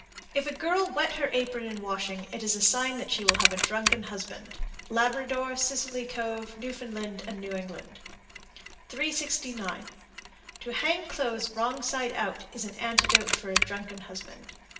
If a girl wet her apron in washing, it is a sign that she will have a drunken husband. Labrador, Scilly Cove, N.F., and New England. 369. To hang clothes wrong side out is an antidote for a drunken husband.